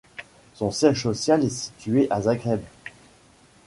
Son siège social est situé à Zagreb.